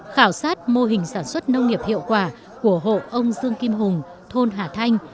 khảo sát mô hình sản xuất nông nghiệp hiệu quả của hộ ông dương kim hùng thôn hà thanh